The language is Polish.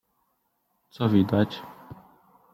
Co widać?